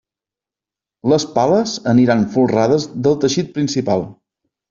Les pales aniran folrades del teixit principal.